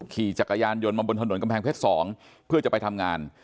ขี่จักรยานยนต์มาบนถนนกำแพงเพชร๒เพื่อจะไปทำงาน